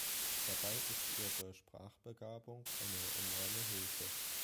Dabei ist ihr ihre Sprachbegabung eine enorme Hilfe.